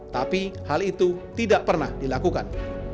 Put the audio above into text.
tapi hal itu tidak pernah dilakukan